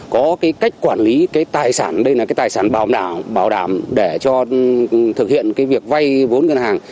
có cái cách quản lý cái tài sản đây là cái tài sản bảo đảm để cho thực hiện cái việc vay vốn ngân hàng